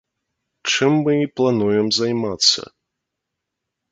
Чым мы і плануем займацца.